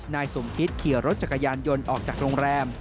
นายสมคิตขี่รถจักรยานยนต์ออกจากโรงแรม